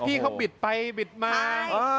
พี่เขาบิดไปบิดมา